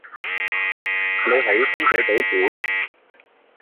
你喺深水埗住？